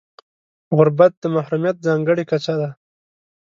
غربت د محرومیت ځانګړې کچه ده.